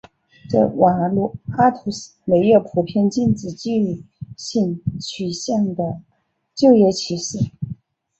在瓦努阿图没有普遍禁止基于性取向的就业歧视。